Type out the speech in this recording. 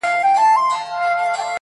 هري خواته چي مو مخ به سو خپل کور وو!.